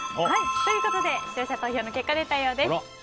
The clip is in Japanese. ということで視聴者投票の結果が出たようです。